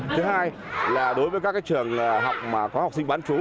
thứ hai là đối với các trường học mà có học sinh bán chú